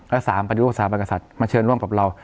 และ๓ปฏิรูปสถาบันกษัตริย์มาเชิญร่วมกับเรา